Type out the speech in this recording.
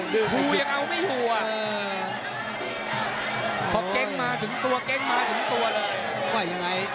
ดื้อมาเลย